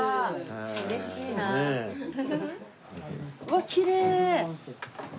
わっきれい！